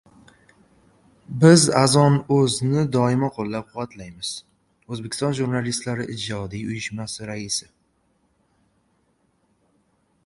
Biz Azon.uz'ni doimo qo‘llab-quvvatlaymiz — O‘zbekiston jurnalistlari ijodiy uyushmasi raisi